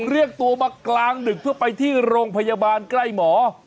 เรียกตัวมากลางดึกเพื่อไปที่โรงพยาบาลใกล้หมอ